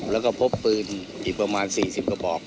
แล้วก็พบปืนอีกประมาณ๔๐กระบอก